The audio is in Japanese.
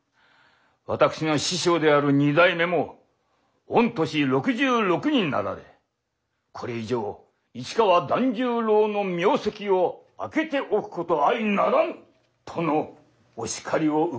私の師匠である二代目も御年６６になられこれ以上市川團十郎の名跡を空けておくこと相ならぬとのお叱りを受けました。